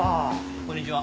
こんにちは。